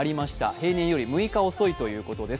平年より６日遅いということです。